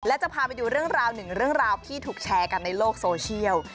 และจะพาไปดูเรื่องราวหนึ่งเรื่องราวที่ถูกแชร์กันในโลกโซเชียล